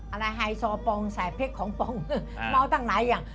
อะไรไฮโซโปงใสเผ็ดของโปงม้อตั้งหน่ายอย่าง